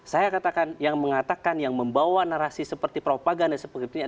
saya katakan yang mengatakan yang membawa narasi seperti propaganda seperti ini adalah agen agen komunis